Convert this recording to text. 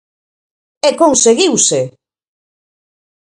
E conseguiuse!